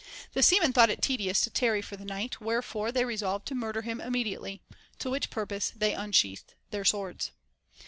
The seamen thought it tedious to tarry for the night, where fore they resolved to murder him immediately, to which purpose they unsheathed their swords.